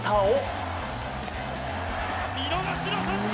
見逃しの三振！